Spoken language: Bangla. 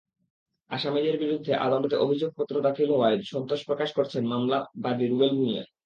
আসামিদের বিরুদ্ধে আদালতে অভিযোগপত্র দাখিল হওয়ায় সন্তোষ প্রকাশ করেছেন মামলার বাদী রুবেল ভূঁইয়া।